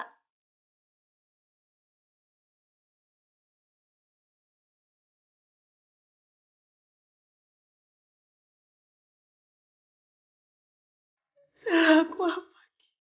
apa yang telah aku lakukan